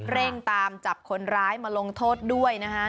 เร่งตามจับคนร้ายมาลงโทษด้วยนะฮะ